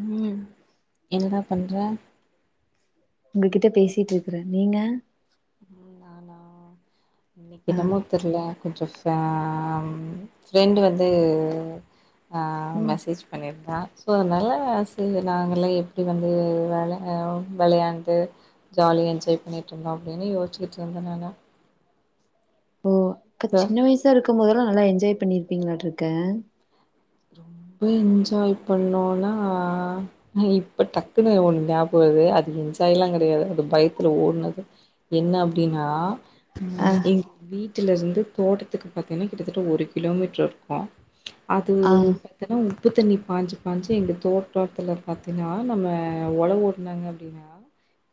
ம் என்னடா பண்ற? உங்ககிட்ட பேசிட்ருக்குறே நீங்க? ஆ இன்னைக்கென்னமோ தெர்ல கொஞ்ச ஆ ம் ஃப்ரெண்டு வந்து ஆ ம் மெசேஜ் பண்ணிருந்தா ஸோ அனால ச நாங்கள்லா எப்டி வந்து வெளா வெளையாண்டு ஜாலியா என்ஜாய் பண்ணிட்ருந்தோ அப்டின்னு யோச்சிக்கிட்ருந்தே நானு ஓ அக்க சோ சின்ன வயசா இருக் க்கும் போதல்லா நல்லா என்ஜாய் பண்ணிருப்பீங்கலாட்ருக்கு ரொம்ப என்ஜாய் பண்ணோனா இப்ப டக்குன்னு ஒன்னு ஞாபக வருது அது என்ஜாய்லா கெடயாது அது பயத்துல ஓட்னது என்ன அப்டின்னா அ ஆ எங்க வீட்டுலருந்து தோட்டத்துக்கு பாத்தினா கிட்டத்தட்ட ஒரு கிலோமீட்ரு இருக்கு அ து ஆ பாத்தனா உ ப்பு தண்ணி பாஞ்சு பாஞ்சு எங்க தோட்டத்துல பாத்தினா நம்ம ஒழவோட்னாங்க அப்டின்னா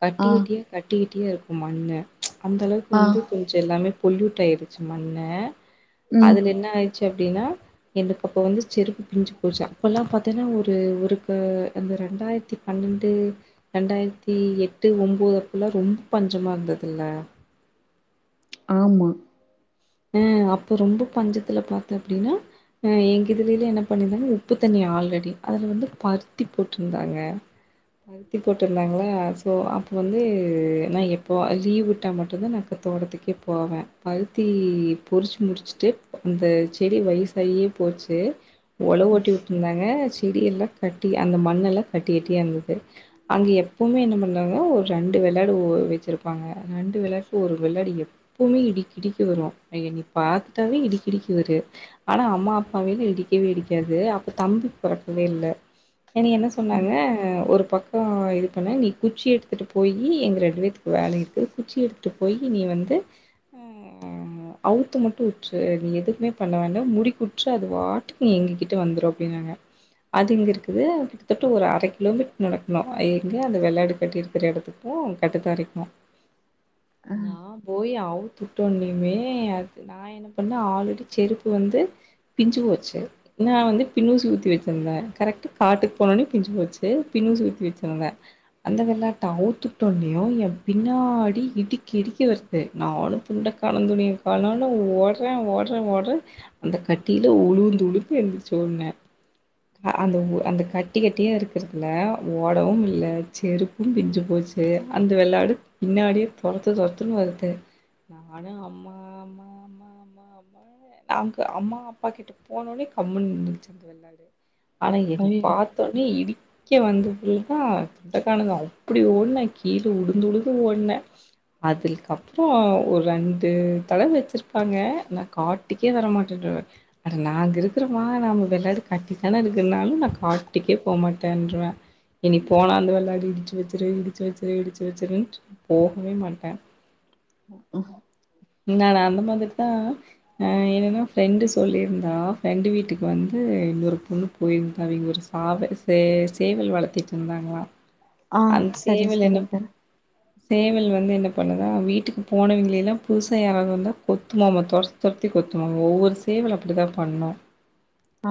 கட்டி ஆ கட்டியா கட்டி க ட்டியா இருக்கு மண்ணு அந்த அளவுக்கு ஆ வந்து கொஞ்ச எல்லாமே பொல்யூட் டாயிருச்சு மண்ணு ம் அதுல என்ன ஆயிர்ச்சு அ ப்டின்னா எந்த அப்ப வந்து செருப்பு பிஞ்சு போச்சு அப்பல்லா பாத்தன்னா ஒரு ஒரு க அந்த ரெண்டாயித்தி பன்னெண்டு ரெண்டாயிரத்தி எட்டு ஒம்போது அப்பல்லா ரொம்ப பஞ்சமா இருந்ததுல்ல ஆமா அ அப்ப ரொம்ப பஞ்சத்துல பாத்த அப்டின்னா அ எங்க இதுலைலா என்ன பண்ணிருந்தாங்க உப்பு தண்ணி ஆல்ரெடி அதுல வந்து பருத்தி போட்ருந்தாங்க பருத்தி போட்ருந்தாங்ளா சோ அப்ப வந்து நா எப் பொவா லீவ் விட்டா மட்டுந்தா நா ப தோட்டத்துக்கே போவே பருத்தி நீ பொறுச்சு முடுச்சுட்டு அந்த செடி வை சாயே போச்சு ஒழவு ஓட்டி வொட்டுருந்தாங்க செடியெல்லா கட்டி அந்த மண்ணெல்லா கட்டி கட்டியா இருந்தது அங்கே எப்பவுமே என்ன பண்ணுறாங்னா ஒரு ரெண்டு வெள்ளாடு வெச்சுருப்பாங்க ரெண்டு வெள்ளாட்டுக்கு ஒரு வெள்ளாடு எப்பவுமே இடிக்கிடிக்கு வரு என்னய பாத்தாவே இடிக்கடிக்க வரு ஆனா அம்மா அப்பாவல இடிக்கவே இடிக்காது அப்போ தம்பிக்கு பொறக்கவே இல்ல என்னய என்ன சொன்னாங்க ம் ஒரு பக்கம் இது பண்ண நீ குச்சி எடுத்துகிட்டு போயி எங்க ரெண்டு பேர்த்துக்கு வேல இருக்கு குச்சி எடுத்துகிட்டு போய் நீ வந்து உம் அவுத்து மட்டு விட்று நீ எதுக்குமே பண்ண வேண்ட முடிக்குட்று அது வாட்டுக்கு எங்ககிட்ட வந்துரு அப்டின்னாங்க அது இங்க இருக்குது கிட்டத்தட்ட ஒரு அர கிலோமீட்டர் நடக்கணு எங்க அது வெளயாடு கட்டி இருக்ற இடத்துக்கு கட்டுதாரைக்கு ஆ ந போய் அ தட்டோண்டமே நா என்ன பண்ணே ஆல்ரெடி செருப்பு வந்து பிஞ்சு போச்சு நா வந்து பின்னூசி குத்தி வெச்சிருந்தே கரெக்டா காட்டுக்கு போனனோ பிஞ்சு போச்சு பின்னூசி குத்தி வெச்சிருந்தா அந்த வெள்ளாட்ட அவுத்து ஊட்டோனயு எ பின்னாடி இடிக்க இடிக்க வருது நானு துண்டக்கானோ துணியக்கானோ தன்னால ஓட்றே ஓட்றே ஓட்றே அந்த கட்டில உழுந்து உழுந்து எந்துருச்சு ஓட்னே அந்த அந்த கட்டி கட்டியா இருக்குறதுல ஓடவும்மில்ல செருப்பும் பிஞ்சு போச்சு அந்த வெள்ளாடு பின்னாடியே தொரத்து தொரத்துன்னு வருதே நானு மாமாமாமா நாங்க அம்மா அப்பா கிட்ட போனோனே கம்முன்னு இருந்துகிச்சு அந்த வெள்ளாடு ஆனா என்ன ஐயய்ய பாத்தோனே இடி அக்கே வந்த புள்ள தா துண்டக்கான அப்டி ஓடுனே கீழ உழுந்து உழுந்து ஓடுனே அதுக்கப்றோ ஒரு ரெண்டு தட வெச்சிருப்பாங்க நா காட்டுக்கே வரமாட்டேறுவே அட நாங்க இருக்கிறோமா நாம வெள்ளாடு கட்டித்தானே இருக்குனாலு நா காட்டுக்கே போகமாட்டேன்றுவே இனி போனா அந்த வெள்ளாடு இடிச்சு வச்சுரு இடிச்சு வச்சுரு இடிச்சு வச்சிருன்டு போகவே மாட்டே உம் நானான் அந்த மாதிரிதா அ என்னன்னா ஃப்ரெண்டு சொல்லியிருந்தா ஃப்ரெண்டு வீட்டுக்கு வந்து இன்னொரு பொண்ணு போயிருந்தா அவுங்க ஒரு சாவ ச சேவல் வளர்த்திட்டு இருந்தாங்களா ஆ அந்த சரி சேவல் என்ன ப சரிங்க்கா சேவல் வந்து என்ன பண்ணுதா வீட்டுக்கு போனவிங்கள எல்லா புதுசா யாராவது வந்து கொத்துமாம தொரத்தி தொரத்தி கொத்துமா ஒவ்வொரு சேவல் அப்டி தா பண்ணு ஆ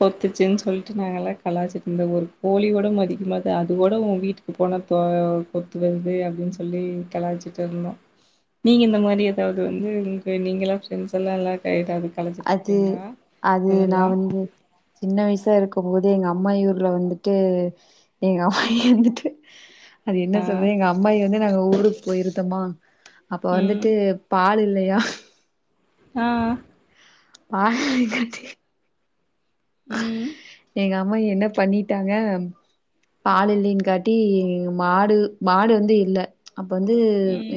கொத்துச்சுன் சொல்லிட்டு நாங்க எல்லா கலாய்ச்சிட்டு இருந்தோ ஒரு கோழி கூட மதிக்கமாது அது கூட ஓ வீட்டுக்கு போனா கொத்த வருது அப்டின்னு சொல்லி கலாய்ச்சிட்டு இருந்தோ நீங்க இந்த மாரி ஏதாவது வந்து நீங்க எல்லா பிரண்ட்ஸ் எல்லா எல்லா கலாய் அது அது நா வந்து சின்ன வயசா இருக்கும் போது எங்க அம்மாயி ஊர்ல வந்துட்டு எங்க அம்மாயிவந்துட்டு அது என்ன ஆ சொல்றது எங்க அம்மாயி வந்து நாங்க ஊருக்கு போயிருந்தோமா அப்ப ம் வந்துட்டு பால் இல்ல யா ஆ ஆ உம் அம்மா என்ன பண்ணிட்டாங்க ஆ பால் இல்லேங்காட்டி இங் மாடு மாடு வந்து இல்ல அப்ப வந்து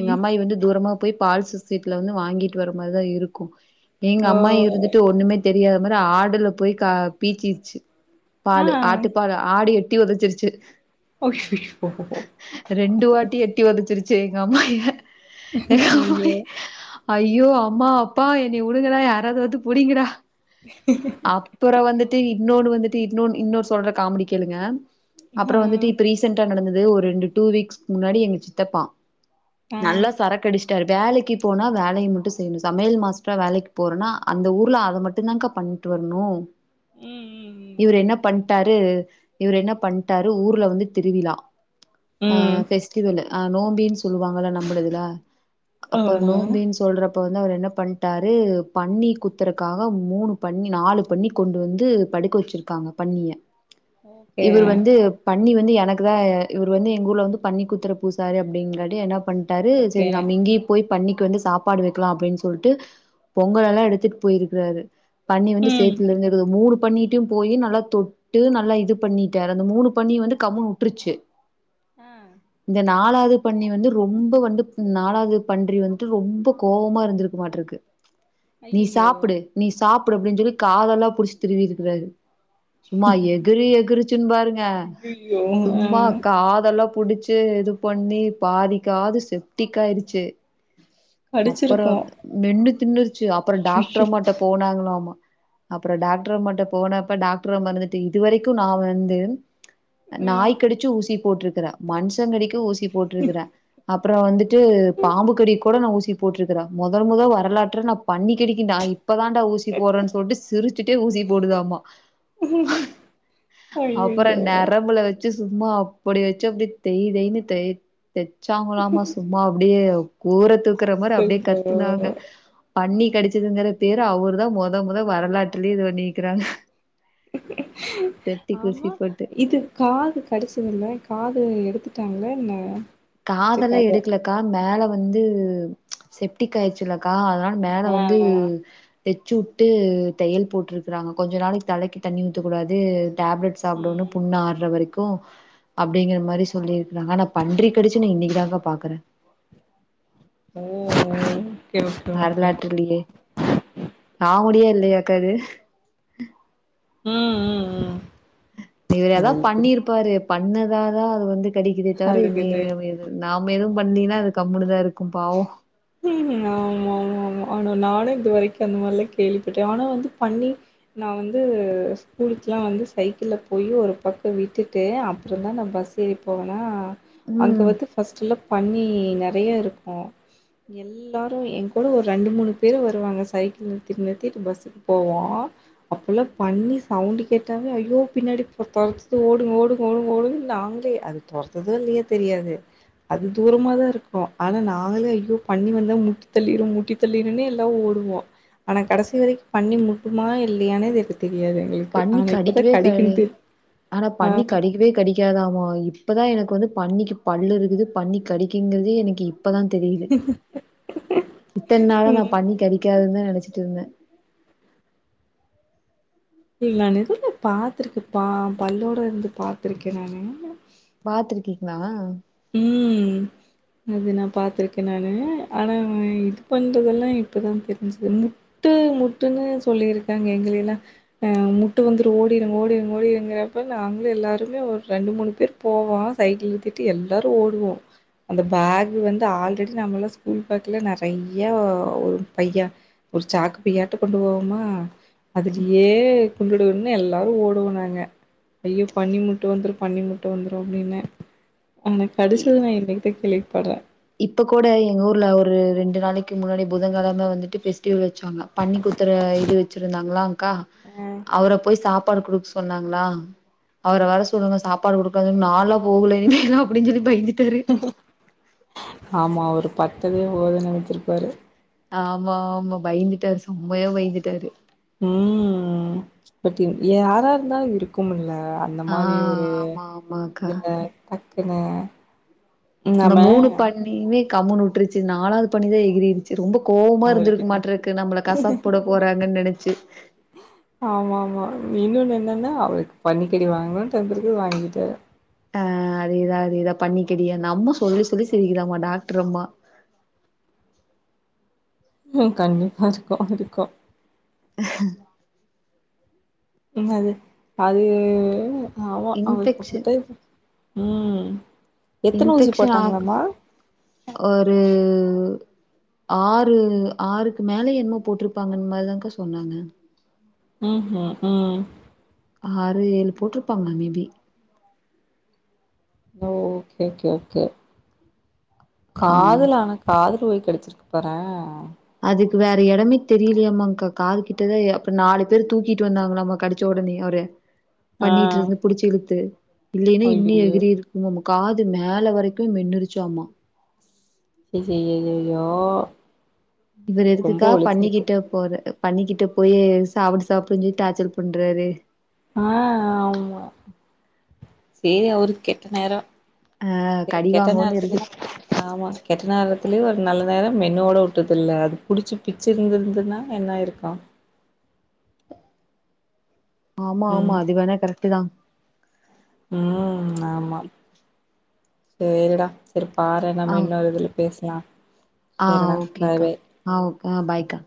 எங்க அம்மாயி வந்து தூரமா போய் பால் சொசைட்டில வந்து வாங்கிட்டு வர மாரிதா இருக்கு எங்க ஓ அம்மாயி இருந்துட்டு ஒண்ணுமே தெரியாத மாரி ஆடுல போய் கா பீச்சிர்ச்சு ஆ பாலு ஆட்டுப்பாலு ஆடு எட் ட்டி ஒதச்சிருச்சு அய்யய்யோ ரெண்டு வாட்டி எட்டி ஒதச்சிருச் சே எங்க அம்மாயிய எங்க ஐயோ அம்மாயி ஐயோ அம்மா அப்பா என்னய வுடுங்கடா யாராவது வந்து புடிங்கடா [inaudible] ப்ப வந்துட்டு இன்னொன்னு வந்துட்டு இன்னொன்னு இன்னொன்னு சொல்ற காமெடி கேளுங்க அப்பறொ வந்துட்டு ஆ இப்ப ரீசண்டா நடந்தது து ஒரு ரெண்டு டூ வீக்ஸ்க்கு முன்னாடி எங்க சித்தப்பா ஆ நல்லா சரக்கு அடிச்சிட்டாரு வேலக்கி போனா வேலய மட்டு செய்ணு சமையல் மாஸ்டரா வேலக்கு போறேன்னா அந்த ஊருல அத மட்டுந்தாங்கா பண்ணிட்டு வரணு ம் இவரு ம் ம் என்ன பண்ட்டாரு இவரு என்ன பண்ட்டாரு ஊர்ல வந்து திரிவிழா ம் ஆ ம். ஃபெஸ்டிவலு ஆ நோம்பினு சொல்லுவாங்கல்ல நம்மளுதுல அப்ப ஆமா நோம்பினு சொல்றப் அப்ப வந்து அவர் என்ன பண்ட்டாரு பன்னி குத்துறக்காக மூணு பன்னி நாலு பன்னி கொண்டு வந்து படுக்க வச்சிருக்காங்க பன்னிய ஓகே இவர் வந்து பன்னி வந் வந்து எனக்கு தா இவர் வந்து எங்க ஊர்ல வந்து பன்னி குத்துற பூசாரி அப்டிங்கறாட்டி என்ன பண்ட்டாரு ஓகே சரி நம்ம இங்கயே போய் பன்னி கு வந்து சாப்பாடு வைக்கலா அப்டின்னு சொல்லிட்டு பொங்கலல்லா எடுத்துட்டு போயிருக்கிறாரு பண்ணி வந்து ம் சேத்து மூணு பன்னிட்டையும் போய் நல்லா தொட்டு நல்லா இது பண்ணிட்டரு அந்த மூணு பன்னியும் வந்து கம்முன்னு விட்டுருச்சு ஆ இந்த நாலாவது த பண்ணி வந்து ரொம்ப வந்து நாளது பன்றி வந்துட்டு ரொம்ப கோபமா இருந்திருக்கு மாட்ருக்கு நீ ஐயய்யோ சாப்பிடு நீ சாப்பி அப்படின் சொல்லி காதெல்லாம் புடிச்சி திருவி இருக்கிறாரு சும்மா எகுரு எகுரு பாருங்க ஐயய்யோ ஆ சும்மா காதெல்லாம் புடிச்சு இது பண்ணி பாதிக்காது செப்டிக்க் ஆயிருச்சு கடிச்சிருக்கு அப்புறம் மென்னு தின்னுருச்சு அப்புறம் டாக்டர் ஐயய்யோ அம்மா கிட்ட போனாங்க ஆமா அப்புறம் டாக்டர்மாட்ட போனப்ப டாக்டர் அம்மா இருந்துட்டு இதுவரைக்கும் நான் வந்து ஆ நாய்க் கடிச்சு ஊசி போட்டிருக்கிறேன் மனுசங்க ஊசி போட்டிருக்கிறேன் அப்ப அப்புறம் வந்துட்டு பாம்பு கடி கூட நான் ஊசி போட்டிருக்கிறன் முதல் முதல் வரலாற்ற நான் பன்னி கடிக்கு நான் இப்ப தான்டா ஊசி போடுறேன்னு சொல்லிட்டு சிரிச்சுட்டே ஊசி போடுதாமா அப்புறம் ஐயய்யோ நரம்புல வச்சு சும்மா அப்படி வச்சு அப்படி தெய் தெய்ன்னு தெ தெச்சாங்களலாம சும்மா அப்படியே கூற தூக்குற மாதிரி அப்படியே கத்துனாங்க அச்சச்சோ பன்னி ம் கடிச்சதுங்கற பேர் அவரு இப்போ தான் மொத மொத வரலாற்றுலேயே இது இருக்கிற ஆமா போட்டு இது காது கடிச்சதில காது எடுத்து படுத்துட்டாங்களா என்னா காதல்லாம் எடுக்கலக்கா மேல வந்து வந்து செப்டிக் ஆயிடுச்சுலக்கா அதல்லாம் மேல ஆ வந்து வெச்சு விட்டு தையல் போட்ருக்குறாங்க கொஞ்ச நாளைக்கு தலைக்கு தண்ணி ஊத்தக்கூடாது டேப்லட் சாப்பிடணு ம் புண்ணு ஆர்ர வரைக்கு கு அப்டிங்கிற மாரி சொல்லிருக்கிறாங்க ஆனா பன்றிக் பிரிச்சி நீ இன்னக்கி தா க்கா பாக்குறே ஓ ஓ வரலாற்றுலயே காமுடியா இல்லையாக்கா கது உ உ உ இவுறு எதாவ பண்ணிருப்பாரு பண்ணதா தா அது வந்து கடிக்கிதே தவிர எ அதுக்கு நீ இந்த நாம எது பண்ணீநா அது கம்முனுதா இருக் கும்பாவோ ஆ மா மா மா ஆனா நானே இது வரைக்கு அந்த மாரிலா கேள்விப்பட்டே ஆனா வந்து பண்ணி நா வந்து ஸ்கூலுக்கெலா வந்து சைக்கிள்ல போய் ஒரு பக்கோ விட்டுட்டு அப்புறம்ந்தா நா பஸ் ஏறி போவேனா அங்க ம் வந்து ஃபஸ்டுலா பண்ணி நெர நெறைய இருக் ஆ எல்லாரு எ கூட ஒரு ரெண்டு மூணு பேரு வருவாங்க சைக்கிள் நிருத்திட்டு நிருத்திட்டு பஸ்ஸுக்கு போவோ அப்பல்லா பண்ணி சவுண்டுக் கேட்டாலே ஐயோ பின்னாடி தொரத்துது ஓடுங்க ஓடுங்க ஓடுங்க ஓடுங்கனு நாங்களே அது தொரத்துதோ இல்லயோ தெரியாது அது தூரமாதா இருக்கு ஆனா நாங்களே ஐயோ பண்ணி வந்தா முட்டி தள்ளிரு முட்டி தள்ளிருன்னே எல்லா ஓடுவோ ஆனா கடைசி வரைக்கு பண்ணி முட்டுமா இல்லையானே தெரி பண்ணி கடிக்கவே தெரி கடிஆனா ஆ பண்ணி கடிக்கவே கடிக்காதாமா [unintelligible] இப்போ தா எனக்கு வந்து பண்ணிக்கு பல் இருக்குது பண்ணி கடிக்குங்கிறதே எனக்கு இப் ப்பதா தெரியுது இத்தன் நாளா நா ம் பண்ணி கடிக்காதுன்தா நெனச்சிட்ருந்தே இல்ல நானு ஏதொ இந்த பாத்துருக்கே பா பல்லோட இருந்து பாத்திருக்கே நா ந பாத்துருக்கீங்களா உ அது நா பாத்திருக்கே நானு ஆனா இது பண்றதெல்லா இப்பதா தெரிஞ்சது முட்டு முட்டுன்னு சொல்லிருக்காங்க எங்கள எல்லா அ முட்ட வந்துரு ஓடிருங்க ஓடிருங்க ஓடுங்கிறப்ப நாங்களு எல்லாருமே ஒரு ரெண்டு மூணு பேர் போவ சைக்கிள் இழுத்திட்டு எல்லா எல்லாரு ஓடுவோ அந்த பேக் வந்து ஆல்ரெடி நம்மல்லா ஸ்கூல் பேக்லா நெறையா ஒரு பையா ஒரு சாக்கு பையாட்டோ கொண்டு போவோமா அதுலயே கொண்டுடுனு எல்லாரு ஓடுவோ நாங்க ஐயோ பண்ணி முட்ட வந்துரு பண்ணி முட்ட வந்துரு அப்டின்னு ஆனா கடிச்சது நா இன்னக்கி த்த கேள்விப்பட்றே இப்போ கூட எங்க ஊர்ல ஒரு ரெண்டு நாளைக்கு முன்னாடி புதனங்கெலம வந்துட்டு ஃபெஸ்டிவல் வச்சாங்க பன்னி குத்துர இது வச்சிருந்தாங்களா கா அவர போய் சாப் சாப்பாடு குடுக்க சொன்னாங்களா அவர வர சொல்லுங்க சாப்பாடு குடுக்க நாலா போகல இ அப்பின்னு சொல்லி பயந்து தெரி ஆமா ஒரு பத்தவே போதுன் நெனச்சுருப்பாரு ஆமா ஆமா பயந்துட்டாரு செம்மையா பயந்துட்டாரு ம் பட் யாரா இருந்தாலு இருக்கும்ல ல்ல அந்த ஆ மாரி ஒரு ஆமா ஆமாக்கா இதுல கென அந்த மூணு பண்ணிவே கம்முனு உட்ருச்சு நாலாவது பன்னிதா எகிரிருச் சேர் ரொம்ப கோவமா அவருக்கு இருந்துருக் மாட்ருக்கு நம்மள கசாப் போட போறாங்கன் நெனச் நினைச்சு ச்சு ஆமா ஆமா இன்னொன்னு என்னன்னா அவருக்கு பன்னிக்கறி வாங்கணு டென் இருக்கு வாங்கிட்ட டா அதேதா அதேதா பன்னிக்கறி அம்மா சொல்லி சொல்லி சிரிக்குதாமா டாக்ட்ரு அம்மா ம் கண்டிப்பா இருக்கு இருக்கு ஹ என்னது அது ஆவா அவளுக்கு இன்ஃபெக்ஷன் அப்புடித்தா இருக்கு ம் எத்தன ஊசி இன்ஃபெக்க்ஷன் ஆக்கு போட்டாங்களாமா ஒரு ஆறு ஆறுக்கு மேல என்னமோ போட்ருப்பாங்கன் மாரிதாக்கா சொன்னாங்க ம் வு ம் ஆறு ஏழு போட்ருப்பாங்க மேபி ஓ ஓகே ஓகே ஓகே ஆ காதுலானா காதுல போய் கெடச்சுருக்கு பாறே அதுக்கு வேற எடமே தெரியிலயாம்மாங்க்கா காது கிட்டதா அப்புறோ நாலு பேரு தூக்கிட்டு வந்தாங்களாமா கடுச்ச ஒடனே அவரு ஆ பண்ணிட்ருந்து புடுச்சு இழுத்து இல்லைன்னா இன்னி ஐயையோ எகிரி இருக்குங்களாமா காது மேல வரைக்கு மென்னுருச்சாமா ஐயையையையோ இவர் எதுக்குக்காக பன்னிக்கிட்ட போறார் பன்னிக்கிட்ட போய் சாப்புடு சாப்புடுஞ் சொல்லி டார்ச்சர் பண்றாரு ஆ ஆமா சேரி அவருக் கெட்ட நேரோ ஆ சேரி கடி கெட்ட வாங்கோன்னு நேரத்துலயு இருக்கு ஆமா கெட்ட நேரத்துலயு ஒரு நல்ல நேரோ மென்னோட உட்டதுல்ல அது புடுச்சு பிச்சுருந்துருந்துன்னா என்ன ஆயிருக்கு ஆமா ஆமா அது வேணா கரெக்டு தா ம் ஆமா பேயிரு டா செர் பாரு ஆ நம்ம இன்னொரு இதுல பேசுலா ஆ ஓகே கா ஆ ஓக் ஆ பாய்க்கா